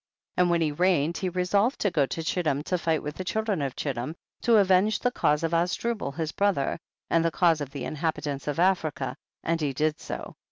18. And when he reigned, he re solved to go to Chittim to fight with the children of Chittim, to avenge the cause of Azdrubal his brother, and the cause of the inhabitants of Africa, and he did so.